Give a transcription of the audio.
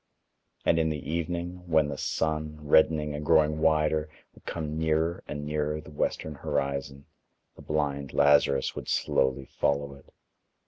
And in the evening, when the sun, reddening and growing wider, would come nearer and nearer the western horizon, the blind Lazarus would slowly follow it.